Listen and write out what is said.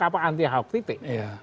atau anti ahok titik